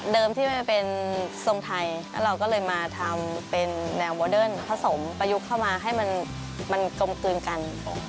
เดิมที่ไม่เป็นทรงไทยออกลังมาทำเป็นแนวโบราณพระสมประยุกต์เข้ามาให้มันกลมกลืนกัน